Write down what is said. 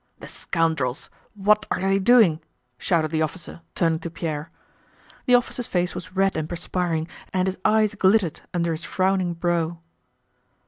"The scoundrels! What are they doing?" shouted the officer, turning to Pierre. The officer's face was red and perspiring and his eyes glittered under his frowning brow.